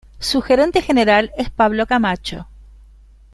Su gerente general es Pablo Camacho.